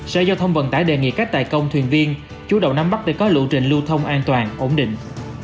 xe giao thông vận tải đề nghị các tài công thuyền viên chú đầu nam bắc để có lưu trình lưu thông an toàn ổn định